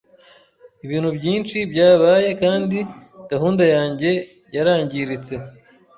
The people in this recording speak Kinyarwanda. Ibintu byinshi byabaye kandi gahunda yanjye yarangiritse.